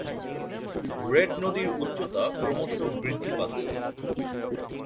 Red নদীর উচ্চতা ক্রমশ বৃদ্ধি পাচ্ছে।